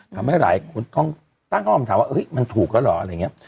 ทำให้หลายคนต้องตั้งคำถามว่ามันถูกแล้วเหรออะไรอย่างนี้